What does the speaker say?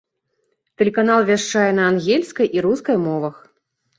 Тэлеканал вяшчае на ангельскай і рускай мовах.